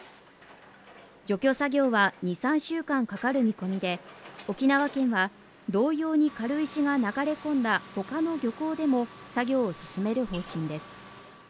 除去作業は２３週間かかる見込みで沖縄県は同様に軽石が流れ込んだ他の漁港でも作業を進める方針です。